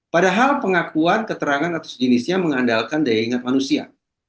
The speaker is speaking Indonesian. padahal pengakuan keterangan atau sejenisnya mengandalkan daya ingat manusia